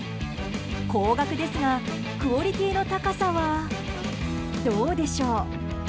高額ですがクオリティーの高さはどうでしょう。